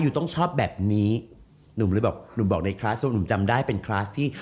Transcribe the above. ต้องชอบแบบนี้หนุ่มเลยบอกหนุ่มบอกในคลาสว่าหนุ่มจำได้เป็นคลาสที่